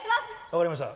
分かりました。